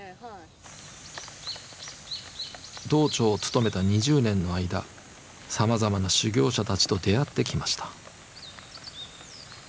堂頭を務めた２０年の間さまざまな修行者たちと出会ってきました。